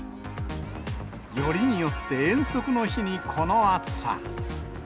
よりによって遠足の日にこの暑さ。